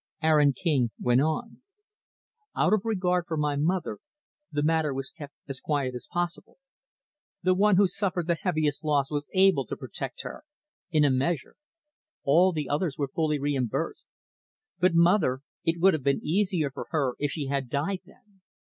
Aaron King went on; "Out of regard for my mother, the matter was kept as quiet as possible. The one who suffered the heaviest loss was able to protect her in a measure. All the others were fully reimbursed. But mother it would have been easier for her if she had died then.